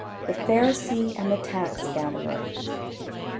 ] THE PHARISEE AND THE TAX GATHERER.